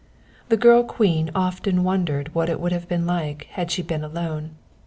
The girl queen often wondered what it would have been like had she been alone.